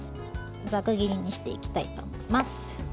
ざく切りにしていきたいと思います。